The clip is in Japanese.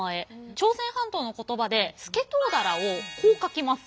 朝鮮半島の言葉ですけとうだらをこう書きます。